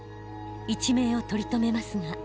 一命を取り留めますが。